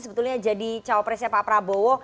sebetulnya jadi cowok presnya pak prabowo